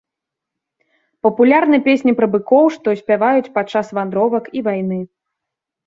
Папулярны песні пра быкоў, што спяваюць падчас вандровак і вайны.